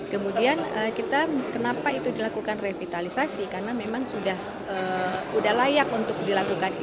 kemudian kita kenapa itu dilakukan revitalisasi karena memang sudah layak untuk dilakukan